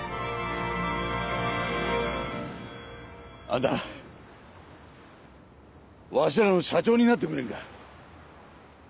あんたわしらの社長になってくれんか？